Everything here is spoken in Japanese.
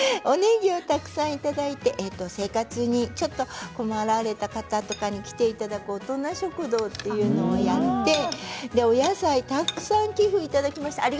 おねぎをたくさんいただいて生活にちょっと困られた方とかに来ていただく大人食堂というのをやってお野菜たくさんご寄付いただきました。